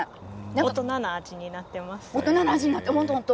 大人な味になっています。